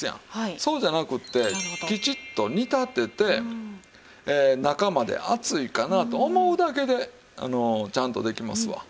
そうじゃなくってきちっと煮立てて中まで熱いかなと思うだけでちゃんとできますわ。